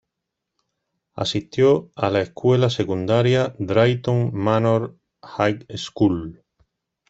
Asistió a la escuela secundaria Drayton Manor High School.